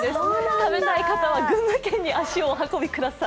食べたい方は群馬県に足をお運びください。